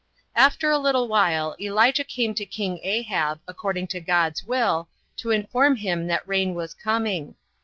4. After a little while Elijah came to king Ahab, according to God's will, to inform him that rain was coming.